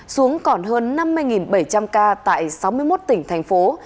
xuống còn hơn năm mươi bảy trăm linh ca tại sáu mươi một tỉnh thành phố